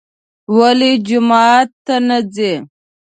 ولې جومات ته نه ځي.